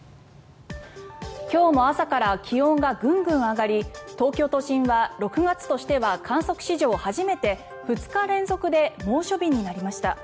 今日も朝から気温がぐんぐん上がり東京都心は６月としては観測史上初めて２日連続で猛暑日になりました。